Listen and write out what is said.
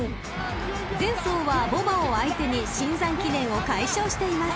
［前走は牡馬を相手にシンザン記念を快勝しています］